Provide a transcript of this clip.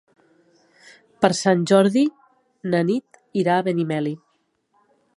Per Sant Jordi na Nit irà a Benimeli.